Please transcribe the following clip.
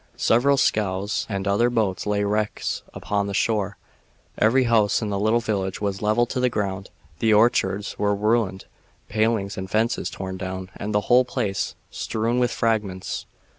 Several scows and other boats lay wrecks upon the shore, every house in the little village was leveled to the ground, the orchards were ruined, palings and fences torn down, and the whole place strewn with fragments.